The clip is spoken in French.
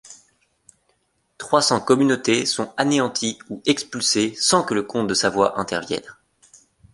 Trois cents communautés sont anéanties ou expulsées sans que le comte de Savoie intervienne.